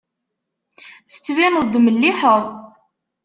Tettbineḍ-d melliḥeḍ.